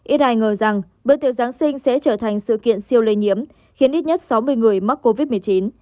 ít ai ngờ rằng bữa tiệc giáng sinh sẽ trở thành sự kiện siêu lây nhiễm khiến ít nhất sáu mươi người mắc covid một mươi chín